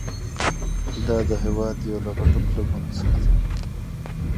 It is one of the largest fan clubs in the country.